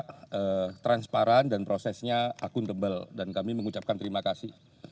itu terbuka transparan dan prosesnya akun tebal dan kami mengucapkan terima kasih